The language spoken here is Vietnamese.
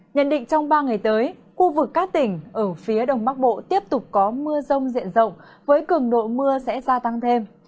nhận định trong ba ngày tới khu vực các tỉnh ở phía đông bắc bộ tiếp tục có mưa rông diện rộng với cường độ mưa sẽ gia tăng thêm